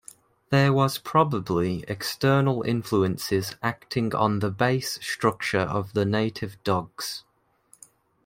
There was probably external influences acting on the base structure of the native dogs.